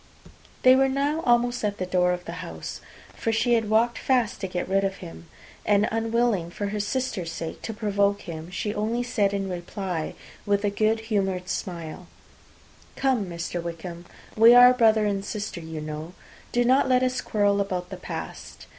They were now almost at the door of the house, for she had walked fast to get rid of him; and unwilling, for her sister's sake, to provoke him, she only said in reply, with a good humoured smile, "Come, Mr. Wickham, we are brother and sister, you know. Do not let us quarrel about the past.